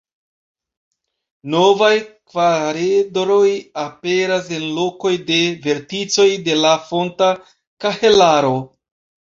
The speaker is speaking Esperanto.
Novaj kvaredroj aperas en lokoj de verticoj de la fonta kahelaro.